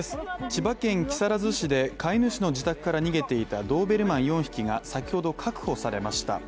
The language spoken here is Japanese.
千葉県木更津市で飼い主の自宅から逃げていたドーベルマン４匹が、先ほど確保されました。